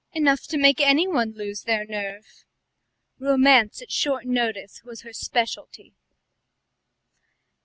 Enough to make anyone lose their nerve." Romance at short notice was her speciality.